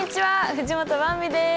藤本ばんびです。